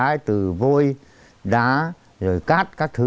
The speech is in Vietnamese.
khai từ vôi đá rồi cát các thứ